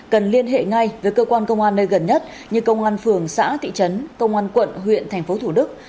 cần liên hệ ngay với cơ quan công an nơi gần nhất như công an phường xã thị trấn công an quận huyện thành phố thủ đức